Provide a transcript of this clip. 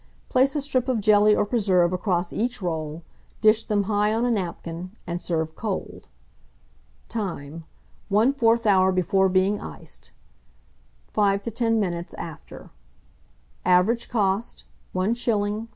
Place a strip of jelly or preserve across each roll, dish them high on a napkin, and serve cold. Time. 1/4 hour before being iced; 5 to 10 minutes after. Average cost, 1s. 3d.